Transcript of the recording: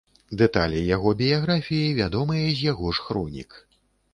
Дэталі яго біяграфіі вядомыя з яго ж хронік.